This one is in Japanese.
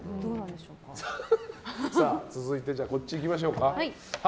続いて、こっちいきましょうか。